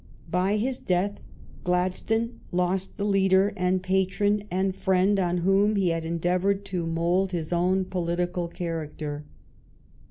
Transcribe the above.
By his death Gladstone lost the leader and patron and friend on whom he had endeavored to mould his own political character.